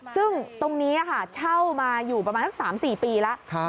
ซึ่งตรงนี้เช่ามาอยู่ประมาณสัก๓๔ปีแล้ว